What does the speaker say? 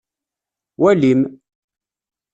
Walim!